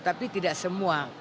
tapi tidak semua